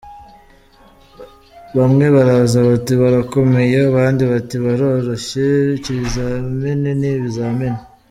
Bamwe baraza bati ‘birakomeye’ abandi bati ‘biroroshye’, ibizamini ni ibizamini.